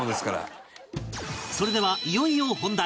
それではいよいよ本題